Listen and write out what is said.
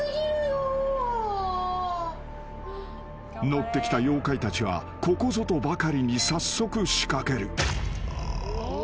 ［乗ってきた妖怪たちはここぞとばかりに早速仕掛ける］